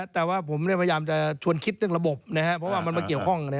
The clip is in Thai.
แต่ว่าผมพยายามจะชวนคิดเรื่องระบบนะครับเพราะว่ามันมาเกี่ยวข้อง